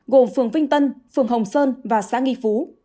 gồm phường vinh tân phường hồng sơn và xã nghi phú